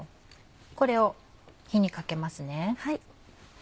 これを火にかけます。